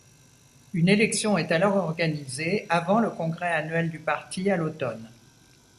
Une élection est alors organisée avant le congrès annuel du parti à l'automne.